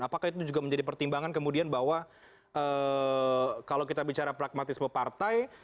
apakah itu juga menjadi pertimbangan kemudian bahwa kalau kita bicara pragmatisme partai